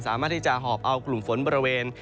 สามารถที่จะหอบเอากลุ่มฝนบริเวณ